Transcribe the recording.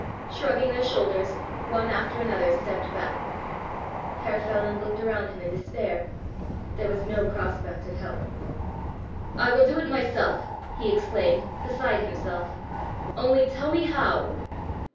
Shrugging their shoulders, one after another stepped back. Herr Feland looked around him in despair. There was no prospect of help. "I will do it myself," he exclaimed, beside himself; "only tell me how?"